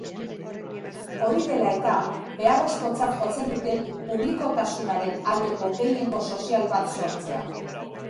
Hori dela eta, beharrezkotzat jotzen dute publikotasunaren aldeko gehiengo sozial bat sortzea.